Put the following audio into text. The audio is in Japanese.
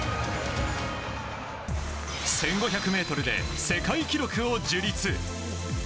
１５００ｍで世界記録を樹立。